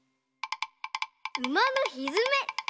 うまのひづめ。